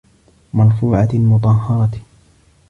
مَرفوعَةٍ مُطَهَّرَةٍ